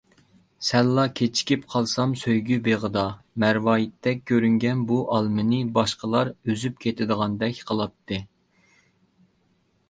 سەللا كېچىكىپ قالسام سۆيگۈ بېغىدا، مەرۋايىتتەك كۆرۈنگەن بۇ ئالمىنى باشقىلا ئۈزۈپ كېتىدىغاندەك قىلاتتى.